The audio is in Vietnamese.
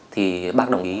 thì bác đồng ý